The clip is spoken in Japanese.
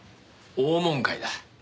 翁門会だ。